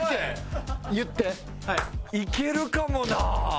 いけるかもなあ！